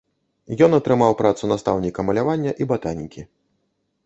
Ён атрымаў працу настаўніка малявання і батанікі.